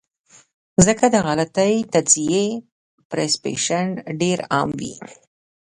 ځکه د غلطې تجزئې پرسپشن ډېر عام وي -